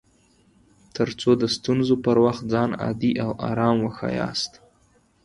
تر څو د ستونزو پر وخت ځان عادي او ارام وښياست